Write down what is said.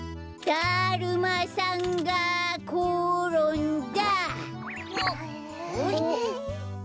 だるまさんがころんだ！